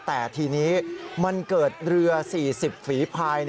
แต่ทีนี้มันเกิดเรือ๔๐ฝีภาย